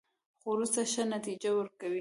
خو وروسته ښه نتیجه ورکوي.